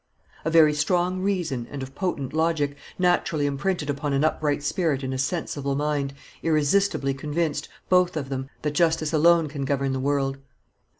A very strong reason and of potent logic, naturally imprinted upon an upright spirit and a sensible mind, irresistibly convinced, both of them, that justice alone can govern the world.